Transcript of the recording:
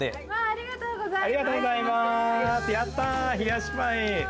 ありがとうございます。